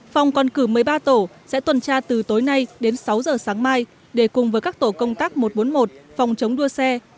phòng còn cử một mươi ba tổ sẽ tuần tra từ tối nay đến sáu giờ sáng mai để cùng với các tổ công tác một trăm bốn mươi một phòng chống đua xe